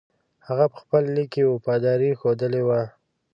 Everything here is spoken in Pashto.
هغه په خپل لیک کې وفاداري ښودلې وه.